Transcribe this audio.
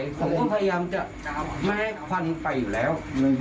ผมก็พยายามจะไม่ให้ควันไปอยู่แล้ว